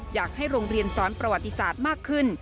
อยากให้โรงเรียนสอนประวัติศาสตร์มากขึ้น